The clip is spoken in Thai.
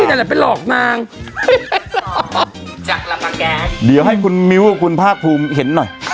แต่แหละเป็นหลอกนางจากรัมมะแกงเดี๋ยวให้คุณมิ้วกับคุณพากภูมิเห็นหน่อย